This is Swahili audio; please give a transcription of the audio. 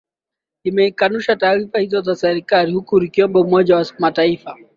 limekanusha taarifa hizo za serikali huku likiomba umoja wa mataifa